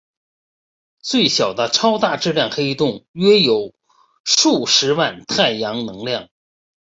最小的超大质量黑洞约有数十万太阳质量。